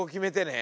え！